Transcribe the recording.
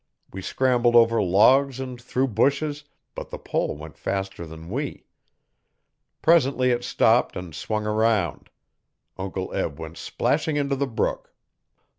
We scrambled over logs and through bushes, but the pole went faster than we. Presently it stopped and swung around. Uncle Eb went splashing into the brook.